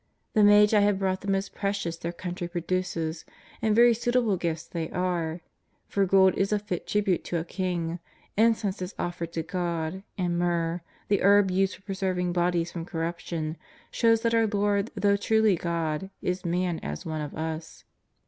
The Magi have brought the most precious their country produces, and very suitable gifts they are, for gold is a fit tribute to a king, incense is offered to God, and myrrh, the herb used for pre serving bodies from corruption, shows that our Lord, though truly God, is man as one of us.